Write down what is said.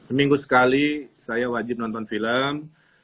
seminggu sekali saya wajib nonton film